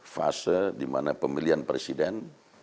fase dimana pemilihan presiden